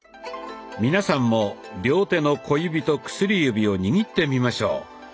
皆さんも両手の小指と薬指を握ってみましょう。